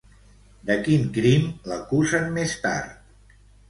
De quin crim l'acusen més tard?